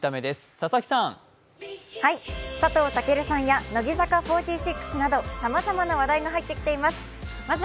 佐藤健さんや乃木坂４６などさまざまな話題が入ってきています。